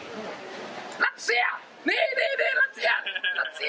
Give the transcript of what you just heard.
นี่นี่นี่